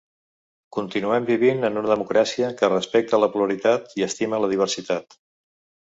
Continuem vivint en una democràcia que respecta la pluralitat i estima la diversitat.